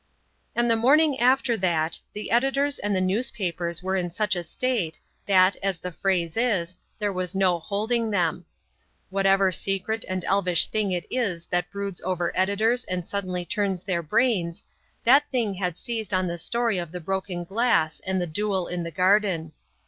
And the morning after that, the editors and the newspapers were in such a state, that, as the phrase is, there was no holding them. Whatever secret and elvish thing it is that broods over editors and suddenly turns their brains, that thing had seized on the story of the broken glass and the duel in the garden.